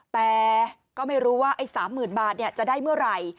แต่ก็ไม่รู้ว่าไอ้๓๐๐๐บาทจะได้เมื่อไหร่